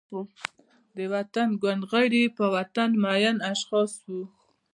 د وطن ګوند غړي، په وطن مین اشخاص وو.